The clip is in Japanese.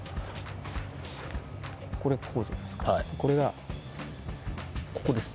これがここです。